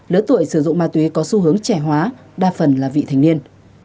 lứa tuổi sử dụng ma túy có xu hướng trẻ hóa đa phần là vị thành niên